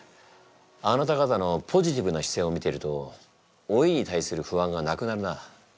あなた方のポジティブな姿勢を見てると老いに対する不安がなくなるな。